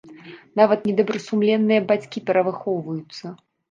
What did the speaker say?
Нават недобрасумленныя бацькі перавыхоўваюцца.